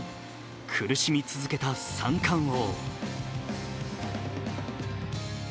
苦しみ続けた三冠王。